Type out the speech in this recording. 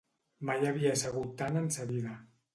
Mai havia segut tant en sa vida